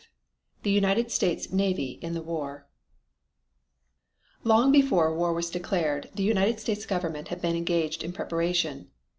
CHAPTER XXXV THE UNITED STATES NAVY IN THE WAR Long before war was declared the United States Government had been engaged in preparation.